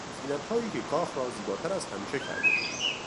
زینتهایی که کاخ را زیباتر از همیشه کرده بود